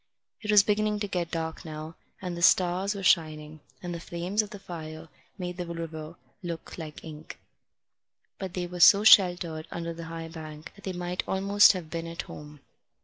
It was beginning to get dark now, and the stars were shining, and the flames of the fire made the river look like ink. But they were so sheltered under the high bank that they might almost have been at home.